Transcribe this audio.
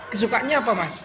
kesukanya apa mas